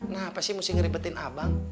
nah apa sih mesti ngeribetin abang